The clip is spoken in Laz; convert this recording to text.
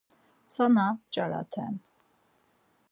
Tzana p̌ç̌araten.